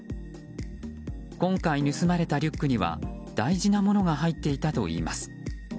今回盗まれたリュックには大事なものが入っていたといいます。